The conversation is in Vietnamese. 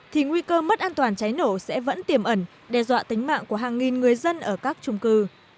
thì nguy cơ mất an toàn cháy nổ sẽ vẫn tiềm ẩn đe dọa tính mạng của hàng nghìn người dân ở các trung cư